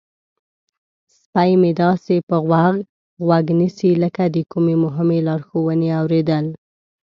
سپی مې داسې په غور غوږ نیسي لکه د کومې مهمې لارښوونې اوریدل.